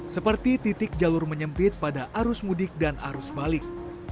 seperti titik jalur menyempit pada arus mudik dan arus balik